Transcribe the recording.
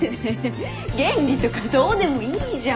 原理とかどうでもいいじゃん！